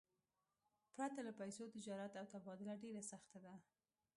پرته له پیسو، تجارت او تبادله ډېره سخته ده.